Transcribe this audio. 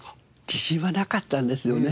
自信はなかったんですよね。